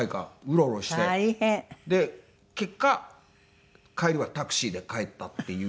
大変！で結果帰りはタクシーで帰ったっていう。